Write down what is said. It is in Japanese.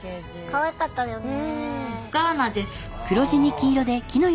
かわいかったよね。